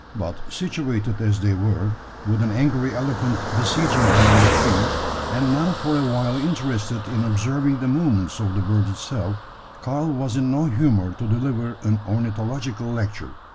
But situated as they were, with an angry elephant besieging them in the tree, and now for a while interested in observing the movements of the bird itself, Karl was in no humour to deliver an ornithological lecture.